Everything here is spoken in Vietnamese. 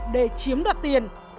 để chiếm đặt tiền